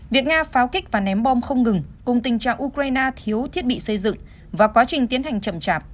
việc nga pháo kích và ném bom không ngừng cùng tình trạng ukraine thiếu thiết bị xây dựng và quá trình tiến hành chậm chạp